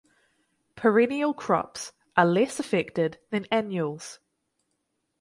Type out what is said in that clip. Perennial crops are less affected than annuals.